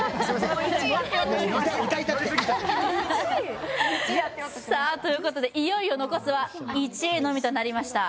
もう歌いたくてさあということでいよいよ残すは１位のみとなりました